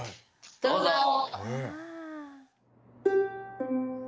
どうぞ！